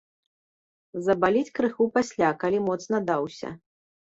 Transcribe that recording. Забаліць крыху пасля, калі моцна даўся.